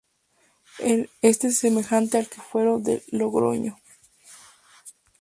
Este era semejante al Fuero de Logroño.